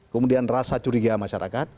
kemudian rasa curiga masyarakat